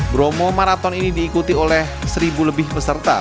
bromo maraton ini diikuti oleh seribu lebih peserta